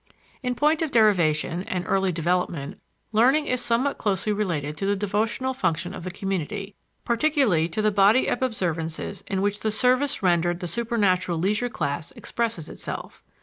In point of derivation and early development, learning is somewhat closely related to the devotional function of the community, particularly to the body of observances in which the service rendered the supernatural leisure class expresses itself.